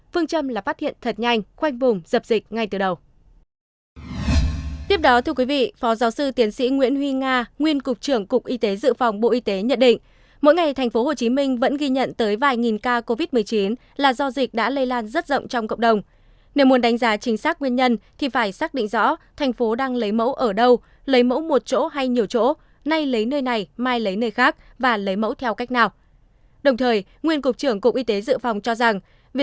phương trâm là phát hiện thật nhanh khoanh vùng dập dịch ngay từ đầu